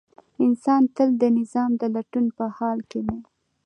انسان تل د نظم د لټون په حال کې دی.